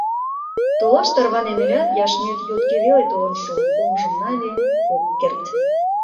— Толаш тарванен ылят, Яшмет йотке веле толын шуо — оҥжым нале... ок керт.